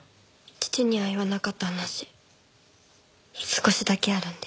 父には言わなかった話少しだけあるんで。